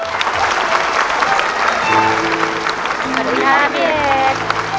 สวัสดีค่ะพี่เอก